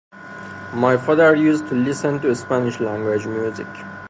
My father used to listen to Spanish-language music.